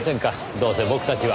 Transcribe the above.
どうせ僕たちは。